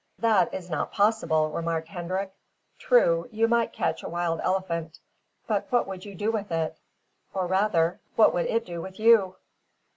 "That is not possible," remarked Hendrik. "True, you might catch a wild elephant; but what would you do with it? or, rather, what would it do with you?"